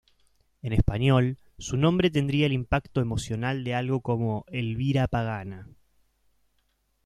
En español, su nombre tendría el impacto emocional de algo como "Elvira Pagana".